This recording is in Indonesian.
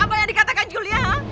apa yang dikatakan julia